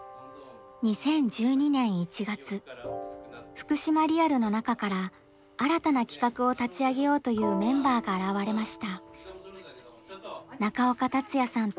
福島リアルの中から新たな企画を立ち上げようというメンバーが現れました。